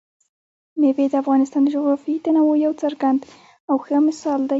مېوې د افغانستان د جغرافیوي تنوع یو څرګند او ښه مثال دی.